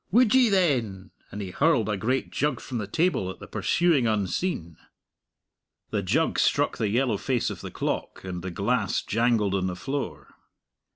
"Would ye, then?" and he hurled a great jug from the table at the pursuing unseen. The jug struck the yellow face of the clock, and the glass jangled on the floor.